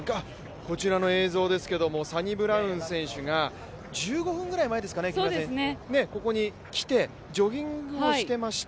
こちらの映像ですけれども、サニブラウン選手が１５分ぐらい前、ここに来てジョギングをしていました。